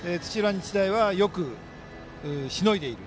日大は、よくしのいでいる。